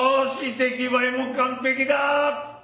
出来栄えも完璧だ！